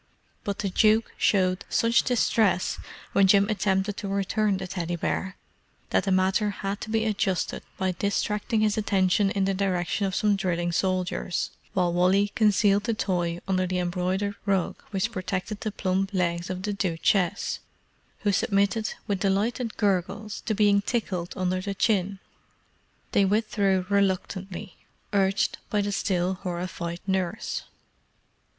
But the "duke" showed such distress when Jim attempted to return the Teddy bear that the matter had to be adjusted by distracting his attention in the direction of some drilling soldiers, while Wally concealed the toy under the embroidered rug which protected the plump legs of the "duchess"—who submitted with delighted gurgles to being tickled under the chin. They withdrew reluctantly, urged by the still horrified nurse.